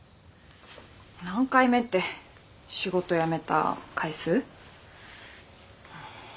何回目って仕事辞めた回数？